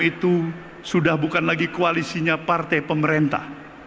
itu sudah bukan lagi koalisinya partai pemerintah